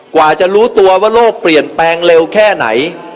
กว่าจะรู้ตัวว่าโลกเปลี่ยนแปลงเร็วแค่ไหน